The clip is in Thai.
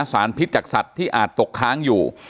สารพิษจากสัตว์ที่อาจตกค้างอยู่